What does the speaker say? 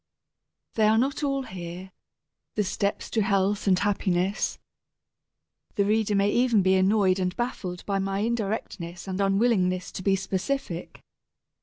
They are not all here, the steps to health and happiness. The reader may even be annoyed and baffled by my indirectness and unwillingness to be specific.